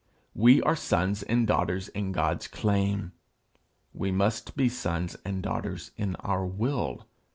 We are sons and daughters in God's claim; we must be sons and daughters in our will.